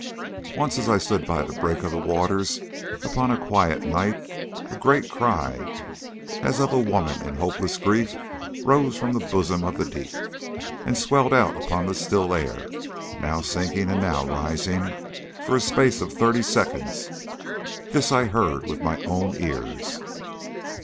Once, as I stood by the brink of the waters upon a quiet night, a great cry, as of a woman in hopeless grief, rose from the bosom of the deep, and swelled out upon the still air, now sinking and now rising, for a space of thirty seconds. This I heard with my own ears.